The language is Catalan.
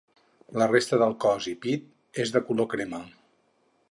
La resta del cos i pit és de color crema.